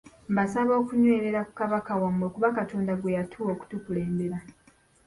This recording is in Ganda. Mbasaba okunywerera ku Kabaka wammwe kuba Katonda gwe yatuwa okutukulembera.